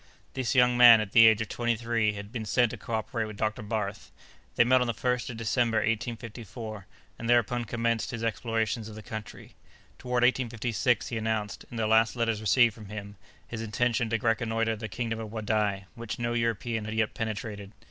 This young man, at the age of twenty three, had been sent to cooperate with Dr. Barth. They met on the 1st of December, 1854, and thereupon commenced his explorations of the country. Toward 1856, he announced, in the last letters received from him, his intention to reconnoitre the kingdom of Wadai, which no European had yet penetrated.